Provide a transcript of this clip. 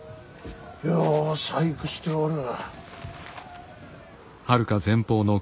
よう細工しておる。